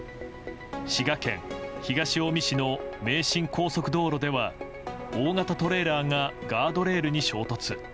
滋賀県東近江市の名神高速道路では大型トレーラーがガードレールに衝突。